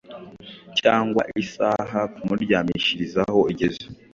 cyangwa isaha kumuryamishirizaho igeze